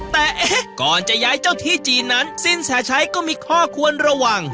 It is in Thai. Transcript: แต่เอ๊ะก่อนจะย้ายเจ้าที่จีนนั้นสินแสชัยก็มีข้อควรระวัง